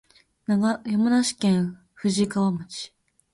山梨県富士川町